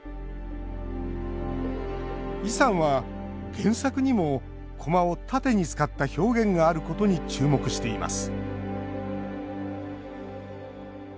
イさんは原作にもコマを縦に使った表現があることに注目しています